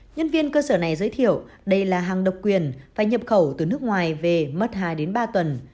nhân viên cơ sở này giới thiệu đây là hàng độc quyền phải nhập khẩu từ nước ngoài về mất hai đến ba tuần